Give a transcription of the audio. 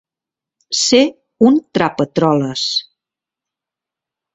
Ser un trapatroles.